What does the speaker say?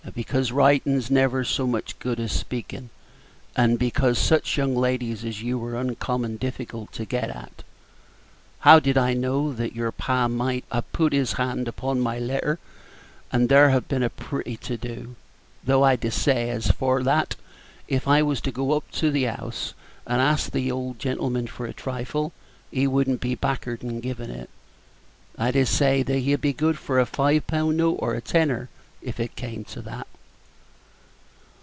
"Because writin's never so much good as speakin', and because such young ladies as you are uncommon difficult to get at. How did I know that your pa might n't have put his hand upon my letter, and there'd have been a pretty to do; though I dessay, as for Page 36 that, if I was to go up to the house, and ask the old gent for a trifle, he would n't be back'ard in givin' it. I dessay he'd be good for a fi pun note, or a tenner, if it came to that."